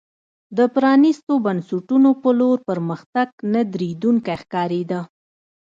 د پرانیستو بنسټونو په لور پرمختګ نه درېدونکی ښکارېده.